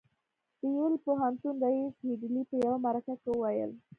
د يل پوهنتون رييس هيډلي په يوه مرکه کې وويل.